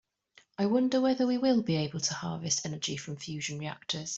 I wonder whether we will be able to harvest energy from fusion reactors.